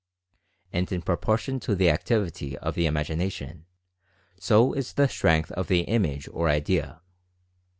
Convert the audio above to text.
And in proportion to the activity of the Imagination, so is the strength of the image or idea.